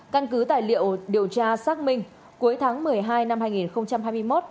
căn cứ tài liệu điều tra xác minh cuối tháng một mươi hai năm hai nghìn hai mươi một